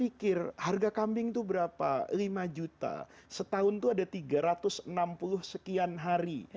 mikir harga kambing itu berapa lima juta setahun itu ada tiga ratus enam puluh sekian hari